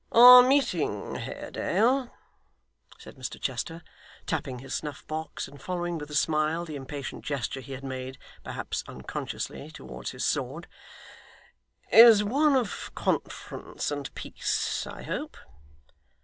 'Our meeting, Haredale,' said Mr Chester, tapping his snuff box, and following with a smile the impatient gesture he had made perhaps unconsciously towards his sword, 'is one of conference and peace, I hope?